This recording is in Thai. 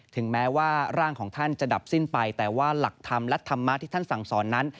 ถึงแม้ว่าร่างของท่านจะดับสิ้นไปแต่ว่าหลักธรรมและธรรมะที่ท่านสั่งสอนนั้น